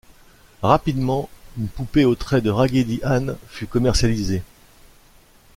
Rapidement, une poupée au traits de Raggedy Ann fut commercialisée.